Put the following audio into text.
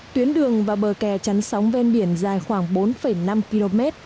tuyến đường và bờ kè chắn sóng ven biển dài khoảng bốn năm km